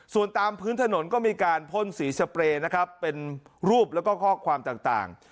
ส่วนตามพื้นถนนก็มีการพ่นสีสเปรย์นะครับเป็นรูปแล้วก็ข้อความต่าง